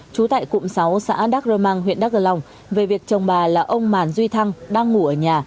chú tại cụm sáu xã đắc rơ mang huyện đắc rơ long về việc chồng bà là ông màn duy thăng đang ngủ ở nhà